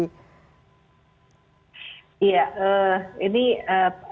bagaimana caranya kita bisa menuju negara yang seperti inggris yang tadi